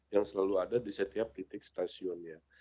yang selalu ada di setiap titik stasiunnya